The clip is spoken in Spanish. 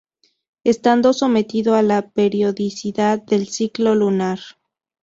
Estando sometido a la periodicidad del ciclo lunar.